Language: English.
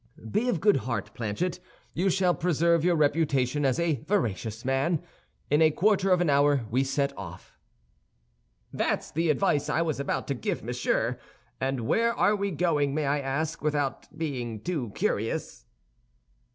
"Be of good heart, Planchet, you shall preserve your reputation as a veracious man. In a quarter of an hour we set off." "That's the advice I was about to give Monsieur; and where are we going, may I ask, without being too curious?"